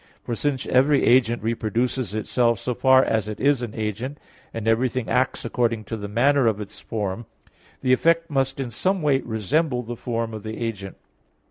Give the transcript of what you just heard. For since every agent reproduces itself so far as it is an agent, and everything acts according to the manner of its form, the effect must in some way resemble the form of the agent.